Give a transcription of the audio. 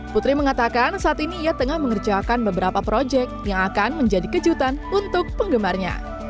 putri mengatakan saat ini ia tengah mengerjakan beberapa proyek yang akan menjadi kejutan untuk penggemarnya